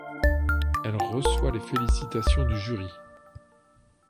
Elle reçoit les félicitations du jury.